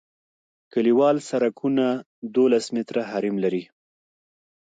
کلیوال سرکونه دولس متره حریم لري